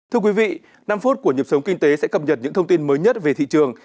thưa quý vị năm phút của nhập sống kinh tế sẽ cập nhật những thông tin mới nhất về thị trường